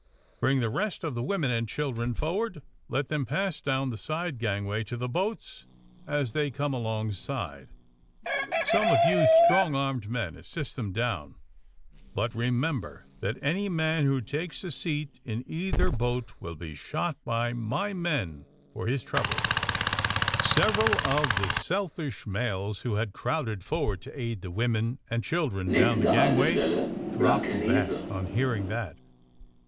Bring the rest of the women and children for ward. Let them pass down the side gangway to the boats as they come alongside. Some of you strongTarmed men assist them down. But remember that any man who takes a seat in either boat will be shot by my men for his trouble !'' AND THE SMUGGLEES 135 Several of the selfish males, who had crowded forward to aid the women and children down the gangway dropped back on hearing that.